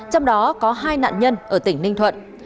trong đó có hai nạn nhân ở tỉnh ninh thuận